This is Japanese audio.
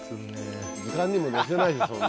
図鑑にも載せないでそんなの。